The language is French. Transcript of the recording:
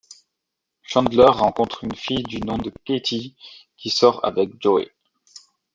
Chandler rencontre une fille du nom de Kathy qui sort avec Joey.